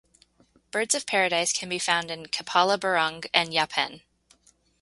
Birds of paradise can be found in Kepala Burung and Yapen.